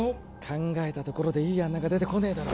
考えたところでいい案なんか出てこねえだろ